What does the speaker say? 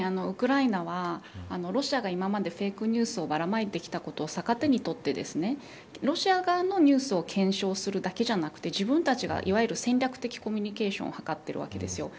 ウクライナはロシアが今までフェイクニュースをばらまいてきたことを逆手にとってロシア側のニュースを検証するだけじゃなくて自分たちがいわゆる戦略的コミュニケーションを図っているわけです。